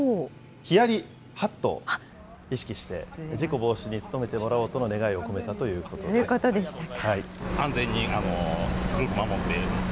ヒヤリ・ハットを意識して事故防止に努めてもらおうとの願いを込そういうことでしたか。